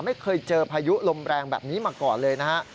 ไม่เคยเจอพายุลมแรงแบบนี้มาก่อนเลยนะฮะ